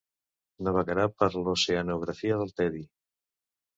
Navegarà per l'oceanografia del tedi.